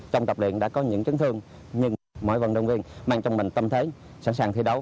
trong tập luyện đã có những chấn thương nhưng mỗi vận động viên mang trong mình tâm thế sẵn sàng thi đấu